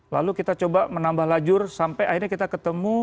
lalu kita coba menambah lajur sampai akhirnya kita ketemu